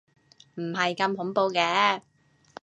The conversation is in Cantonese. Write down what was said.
唔係咁恐怖嘅